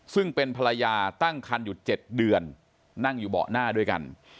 ซึ่งเป็นภรรยาตั้งคันอยู่๗เดือนนั่งอยู่เบาะหน้าด้วยกัน